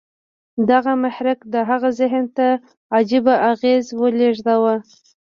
دغه محرک د هغه ذهن ته عجيبه اغېز ولېږداوه.